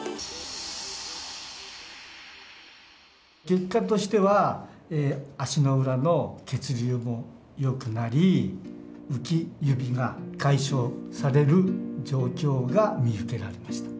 結果としては足の裏の血流も良くなり浮き指が解消される状況が見受けられました。